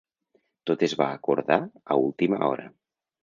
Tot es va acordar a última hora.